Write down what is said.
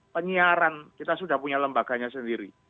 penyiaran kita sudah punya lembaganya sendiri